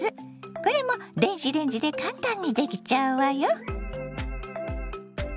これも電子レンジで簡単にできちゃうわよ。